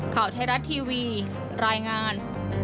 ข่าวไทยรัฐทีวีรายงาน